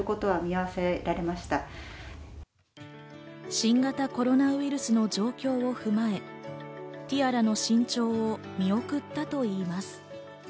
新型コロナウイルスの状況を踏まえ、ティアラの新調を見送ったといいます。